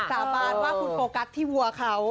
สาบานว่าคุณโฟกัสที่วัวเขา